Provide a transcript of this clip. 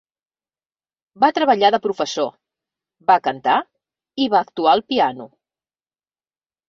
Va treballar de professor, va cantar i va actuar al piano.